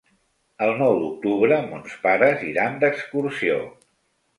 El nou d'octubre mons pares iran d'excursió.